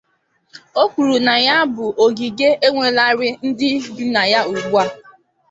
O kwuru na ya bụ ògìgè enweelarị ndị bi na ya ugbua